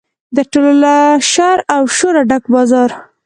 تر ټولو له شر او شوره ډک بازار.